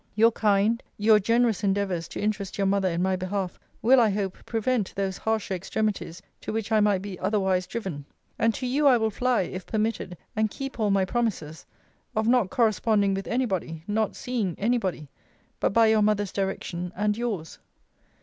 Your kind, your generous endeavours to interest your mother in my behalf, will, I hope, prevent those harsher extremities to which I might be otherwise driven. And to you I will fly, if permitted, and keep all my promises, of not corresponding with any body, not seeing any body, but by your mother's direction and yours.